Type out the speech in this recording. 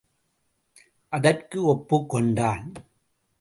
அதற்கும் ஒப்புக் கொண்டான்.